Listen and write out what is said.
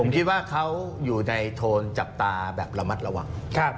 ผมคิดว่าเขาอยู่ในโทนจับตาแบบระมัดระวัง